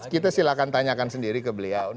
kita silakan tanyakan sendiri ke beliau